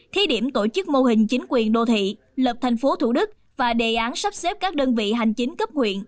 thi điểm tổ chức mô hình chính quyền đô thị lập thành phố thủ đức và đề án sắp xếp các đơn vị hành chính cấp huyện